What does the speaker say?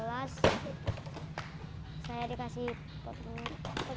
wahyu sudah punya papan skate yang lebih baik